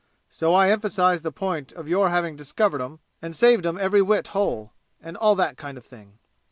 So I emphasized the point of your having discovered 'em and saved 'em every wit whole and all that kind of thing.